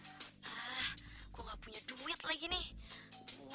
ah gue gak punya duit lagi nih